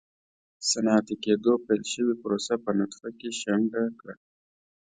صنعتي کېدو پیل شوې پروسه په نطفه کې شنډه کړه.